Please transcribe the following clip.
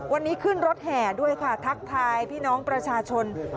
วันนี้ขึ้นรถแห่ด้วยค่ะทักทายพี่น้องประชาชน